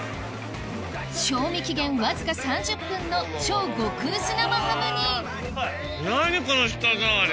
賞味期限わずか３０分の超極薄生ハムに何この舌触り！